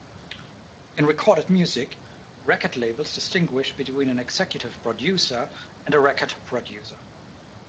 In recorded music, record labels distinguish between an executive producer and a record producer.